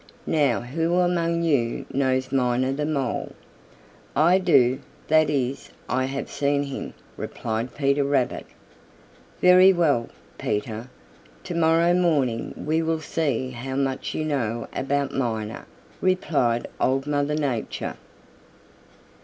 Now who among you knows Miner the Mole?" "I do. That is, I have seen him," replied Peter Rabbit. "Very well, Peter, to morrow morning we will see how much you know about Miner," replied Old Mother Nature.